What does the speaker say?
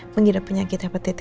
menggida penyakit hepatitis tosik